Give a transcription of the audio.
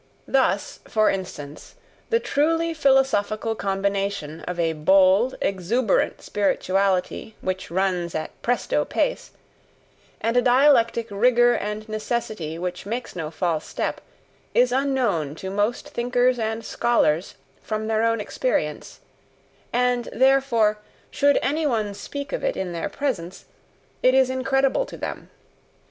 Thus, for instance, the truly philosophical combination of a bold, exuberant spirituality which runs at presto pace, and a dialectic rigour and necessity which makes no false step, is unknown to most thinkers and scholars from their own experience, and therefore, should any one speak of it in their presence, it is incredible to them.